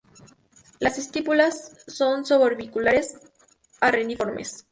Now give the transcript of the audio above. Las estípulas son suborbiculares a reniformes.